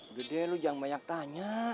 udah deh lu jangan banyak tanya